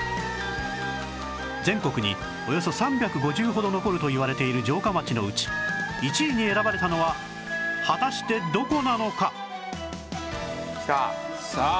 全国におよそ３５０ほど残るといわれている城下町のうち１位に選ばれたのは果たしてどこなのか？